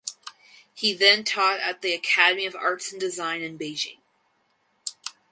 He then taught at the Academy of Arts and Design in Beijing.